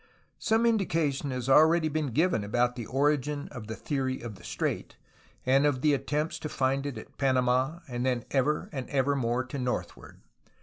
Some indication has already been given about the origin of the theory of the strait, and of the attempts to find it at Panamd and then ever and ever more to northward.